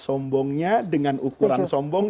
sombongnya dengan ukuran sombong